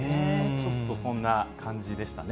ちょっとそんな感じでしたね。